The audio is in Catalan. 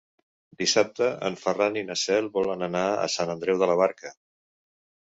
Dissabte en Ferran i na Cel volen anar a Sant Andreu de la Barca.